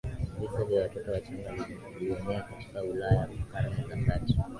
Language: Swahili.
Vifo vya watoto wachanga vilienea katika Ulaya kwa Karne za kati